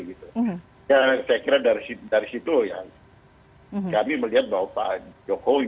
saya kira dari situ ya kami melihat bahwa pak jokowi